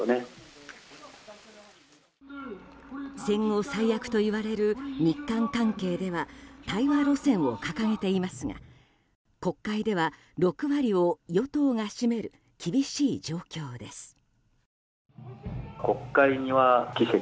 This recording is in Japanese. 戦後最悪といわれる日韓関係では対話路線を掲げていますが国会では６割を与党が占める厳しい状況です。